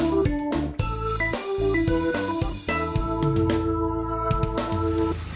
โปรดติดตามตอนต่อไป